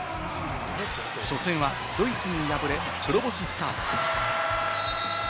初戦はドイツに敗れ、黒星スタート。